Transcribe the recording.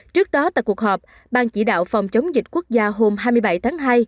trước đó tại cuộc họp ban chỉ đạo phòng chống dịch quốc gia hôm hai mươi bảy tháng hai